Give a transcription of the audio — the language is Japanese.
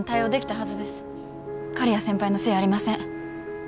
刈谷先輩のせいやありません。